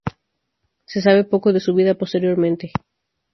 Se sabe poco de su vida posteriormente.